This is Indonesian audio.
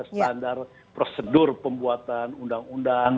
standar prosedur pembuatan undang undang